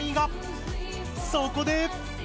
そこで！